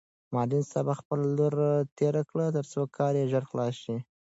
معلم صاحب خپل لور تېره کړ ترڅو کار یې ژر خلاص شي.